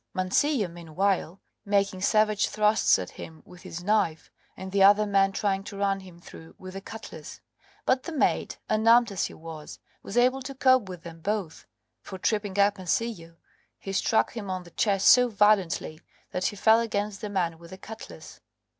Mancillo meanwhile making savage thrusts at him with his knife, and the other man trying to run him through with his cutlass; but the mate, unarmed as he was, was able to cope with them both, for tripping up Mancillo he struck him on the chest so violently that he fell against the man with the cutlass.